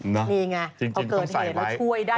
นี่ไงพอเกิดเหตุแล้วช่วยได้